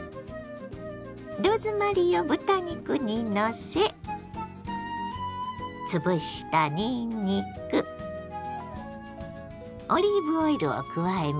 ローズマリーを豚肉にのせ潰したにんにくオリーブオイルを加えます。